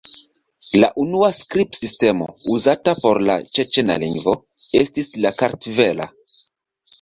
La unua skribsistemo uzata por la ĉeĉena lingvo estis la kartvela.